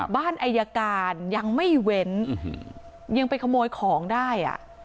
อายการยังไม่เว้นยังไปขโมยของได้อ่ะ